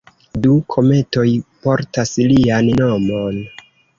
Du kometoj portas lian nomon.